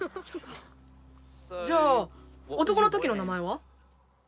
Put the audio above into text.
「じゃあ男のときの名前は？」。